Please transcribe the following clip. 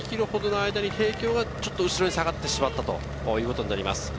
２ｋｍほどの間に帝京はちょっと後ろに下がってしまったということになります。